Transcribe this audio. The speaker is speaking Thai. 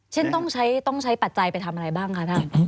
เช่นต้องใช้ปัจจัยไปทำอะไรบ้างคะท่าน